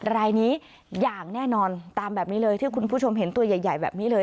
รายนี้อย่างแน่นอนตามแบบนี้เลยที่คุณผู้ชมเห็นตัวใหญ่แบบนี้เลย